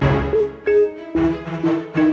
coexistjek saya jangan